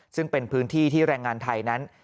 ซึ่งเป็นพื้นที่ที่แรงงานไทยนั้น